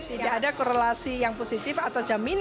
tidak ada korelasi yang positif atau jaminan